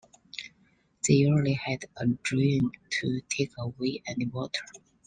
They usually had a drain to take away any water.